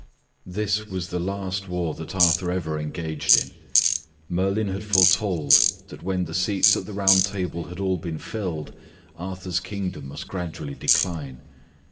This was the last war that Arthur ever engaged in. Merlin had foretold that when the seats at the Round Table had all been filled, Arthur's kingdom must gradually decline.